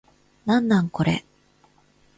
なんなんこれ